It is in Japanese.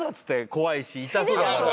怖いし痛そうだからさ。